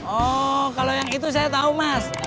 oh kalau yang itu saya tahu mas